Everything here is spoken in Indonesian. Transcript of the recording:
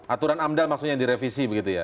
aturan amdal maksudnya direvisi begitu ya